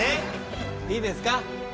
いいですか？